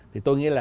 thì tôi nghĩ là